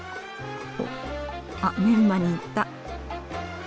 あっメンマに行った。